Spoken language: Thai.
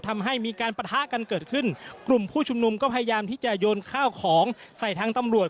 ทำให้มีการปะทะกันเกิดขึ้นกลุ่มผู้ชุมนุมก็พยายามที่จะโยนข้าวของใส่ทางตำรวจ